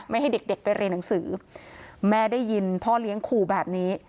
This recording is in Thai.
ให้เด็กไปเรียนหนังสือแม่ได้ยินพ่อเลี้ยงขู่แบบนี้